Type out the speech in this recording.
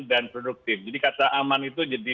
dan produktif jadi kata aman itu jadi